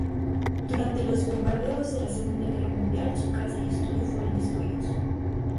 Durante los bombardeos de la Segunda Guerra Mundial, su casa y estudio fueron destruidos.